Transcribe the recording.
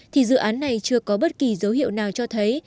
thì dự án này chưa có bất kỳ dấu hiệu nào cho thấy